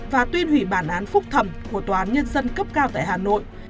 và tuyên hủy bản án phúc thẩm của toàn nhân dân cấp cao tại hà nội